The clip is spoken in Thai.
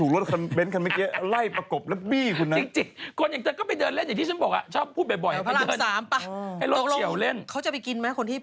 แล้วอีกคนอีกคนหลายค่ะ